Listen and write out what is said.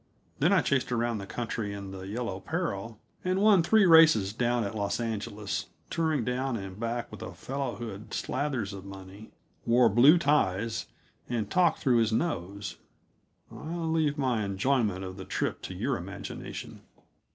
Then I chased around the country in the Yellow Peril and won three races down at Los Angeles, touring down and back with a fellow who had slathers of money, wore blue ties, and talked through his nose. I leave my enjoyment of the trip to your imagination.